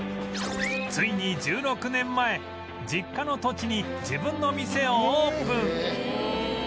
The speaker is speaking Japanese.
ついに１６年前実家の土地に自分の店をオープン